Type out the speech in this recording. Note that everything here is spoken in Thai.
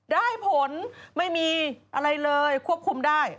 ได้ผลไม่มีอะไรเลยควบคุมได้